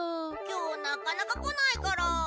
今日なかなか来ないから。